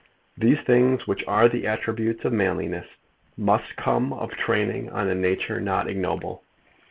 These things, which are the attributes of manliness, must come of training on a nature not ignoble.